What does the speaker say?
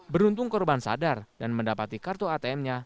beruntung korban sadar dan mendapati kartu atm nya